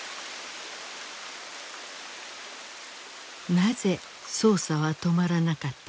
なぜ捜査は止まらなかったのか。